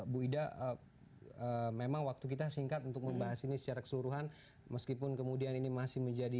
bu ida memang waktu kita singkat untuk membahas ini secara keseluruhan meskipun kemudian ini masih menjadi